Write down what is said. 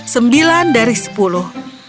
sembilan dari sepuluh